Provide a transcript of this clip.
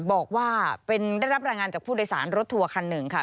บอกว่าได้รับรายงานจากผู้โดยสารรถทัวร์คันหนึ่งค่ะ